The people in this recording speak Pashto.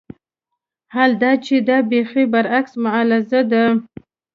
حال دا چې دا بېخي برعکس معاضله ده.